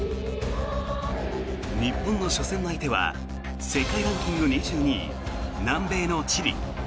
日本の初戦の相手は世界ランキング２２位南米のチリ。